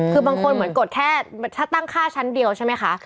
คือบางคนเหมือนกดแค่ถ้าตั้งค่าชั้นเดียวใช่ไหมคะ